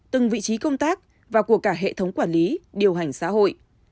từng vị trí công tác và của cả hệ thống quản lý điều hành xã hội